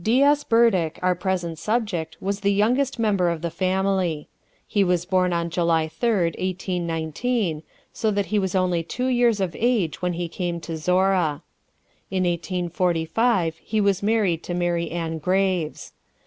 D. S. Burdick, our present subject, was the youngest member of the family. He was born on July 3rd, 1819, so that he was only two years of age when he came to Zorra. In 1845 he was married to Mary Ann Graves.